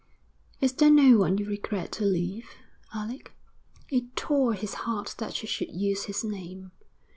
'Is there no one you regret to leave, Alec?' It tore his heart that she should use his name.